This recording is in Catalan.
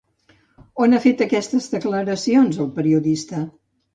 On ha fet aquestes declaracions el periodista?